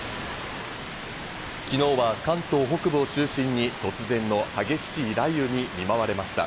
昨日は関東北部を中心に突然の激しい雷雨に見舞われました。